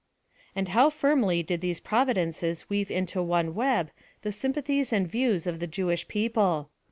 And how firmly did these providences weave into one web the sympathies and views of the Jewish people.